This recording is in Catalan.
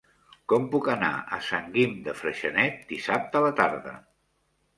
Com puc anar a Sant Guim de Freixenet dissabte a la tarda?